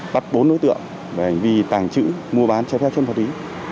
bắt bốn đối tượng về hành vi tàng trữ mua bán trái phép chất ma túy